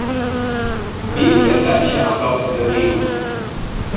Wie ist der zeitliche Ablauf der Bewegung?